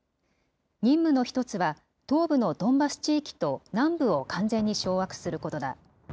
任務の１つは東部のドンバス地域と南部を完全に掌握することだ。